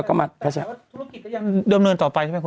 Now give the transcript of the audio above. ก็เบียนรถของอย่างเดิมเนินต่อไปนะครับ